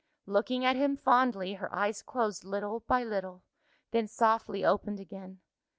Looking at him fondly, her eyes closed little by little then softly opened again.